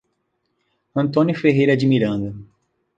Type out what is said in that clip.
Antônio Ferreira de Miranda